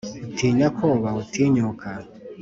Utinya ko bawutinyuka